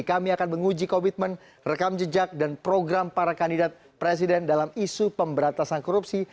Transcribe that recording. kami akan menguji komitmen rekam jejak dan program para kandidat presiden dalam isu pemberantasan korupsi